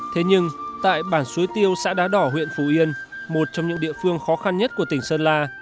thế nhưng tại bản suối tiêu xã đá đỏ huyện phù yên một trong những địa phương khó khăn nhất của tỉnh sơn la